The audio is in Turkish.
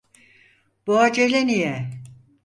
Bu acele niye?